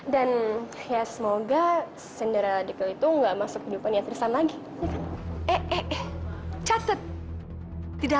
dan ya semoga cinderella the kill itu enggak masuk kehidupannya tristan lagi eh eh eh catet tidak